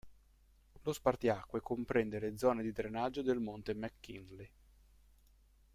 Lo spartiacque comprende le zone di drenaggio del monte McKinley.